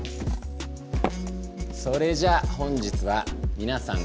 それじゃあ本日はみなさん